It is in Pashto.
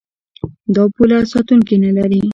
دا پوله ساتونکي نلري.